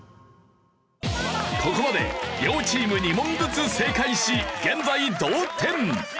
ここまで両チーム２問ずつ正解し現在同点。